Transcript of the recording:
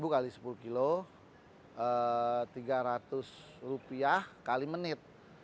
dua ribu kali sepuluh kilo tiga ratus rupiah kali menit